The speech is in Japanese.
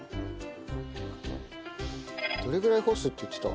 どれぐらい干すって言ってた？